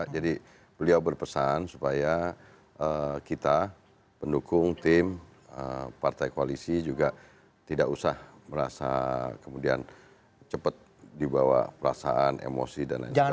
jadi beliau berpesan supaya kita pendukung tim partai koalisi juga tidak usah merasa kemudian cepat dibawa perasaan emosi dan lain sebagainya